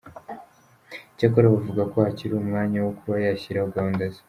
Icyakora bavuga ko hakiri umwanya wo kuba yashyiraho gahunda ze.